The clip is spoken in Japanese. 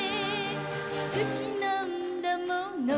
「好きなんだもの